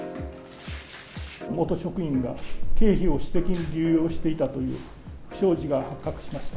元職員が経費を私的に流用していたという不祥事が発覚しました。